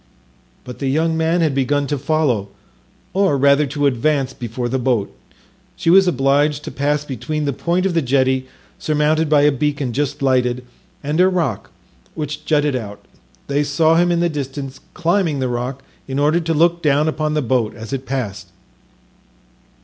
But the young man had begun to follow, or rather to advance before the boat. She was obliged to pass between the point of the jetty, surmounted by a beacon just lighted, and a rock which jutted out. They saw him in the distance climbing the rock in order to look down upon the boat as it passed.